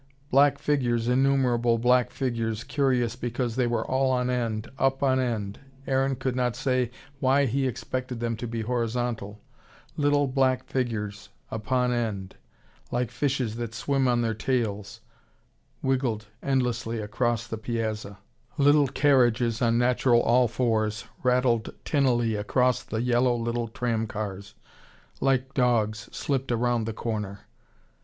Black figures, innumerable black figures, curious because they were all on end, up on end Aaron could not say why he expected them to be horizontal little black figures upon end, like fishes that swim on their tails, wiggled endlessly across the piazza, little carriages on natural all fours rattled tinily across, the yellow little tram cars, like dogs slipped round the corner.